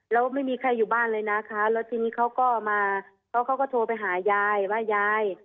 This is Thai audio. แล้วไม่มีใครอยู่บ้านเลยนะคะแล้วทีนี้เขาก็มาเพราะเขาก็โทรไปหายายว่ายาย